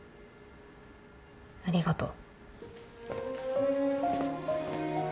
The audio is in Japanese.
ありがとう。